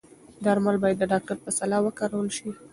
درمل باید د ډاکتر په سلا وکارول شي.